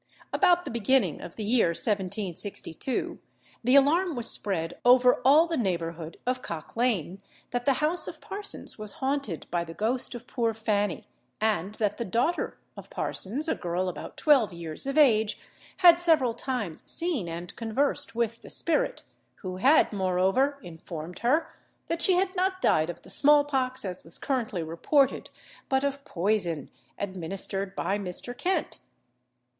About the beginning of the year 1762, the alarm was spread over all the neighbourhood of Cock Lane, that the house of Parsons was haunted by the ghost of poor Fanny, and that the daughter of Parsons, a girl about twelve years of age, had several times seen and conversed with the spirit, who had, moreover, informed her, that she had not died of the small pox, as was currently reported, but of poison, administered by Mr. Kent.